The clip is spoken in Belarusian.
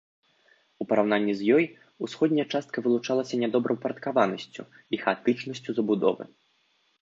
У параўнанні з ёй, усходняя частка вылучалася нядобраўпарадкаванасцю і хаатычнасцю забудовы.